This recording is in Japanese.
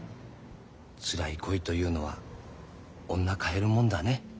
つらい恋というのは女変えるもんだね。